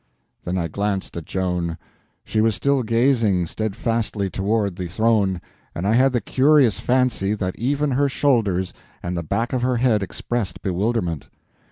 Then I glanced at Joan. She was still gazing steadfastly toward the throne, and I had the curious fancy that even her shoulders and the back of her head expressed bewilderment.